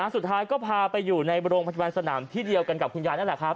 สุดท้ายก็พาไปอยู่ในโรงพยาบาลสนามที่เดียวกันกับคุณยายนั่นแหละครับ